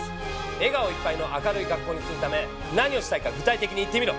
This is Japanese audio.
笑顔いっぱいの明るい学校にするため何をしたいか具体的に言ってみろ！